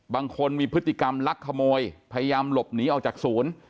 บางคนมีพฤติกรรมลักขโมยพยายามหลบหนีออกจากศูนย์